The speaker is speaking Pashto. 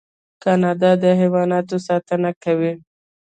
کاناډا د حیواناتو ساتنه کوي.